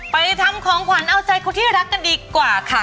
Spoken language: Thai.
ไปทำของขวัญเอาใจคนที่รักกันดีกว่าค่ะ